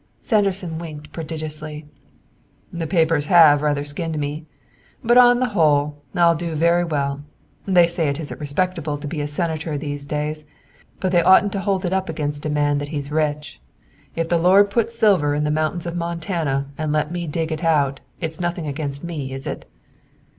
Sanderson winked prodigiously. "The papers have rather skinned me; but on the whole, I'll do very well. They say it isn't respectable to be a senator these days, but they oughtn't to hold it up against a man that he's rich. If the Lord put silver in the mountains of Montana and let me dig it out, it's nothing against me, is it?"